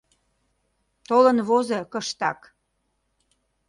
Толын возо кыштак.